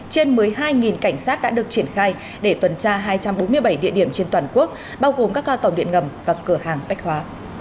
trên một mươi hai cảnh sát đã được triển khai để tuần tra hai trăm bốn mươi bảy địa điểm trên toàn quốc bao gồm các ca tàu điện ngầm và cửa hàng bách hóa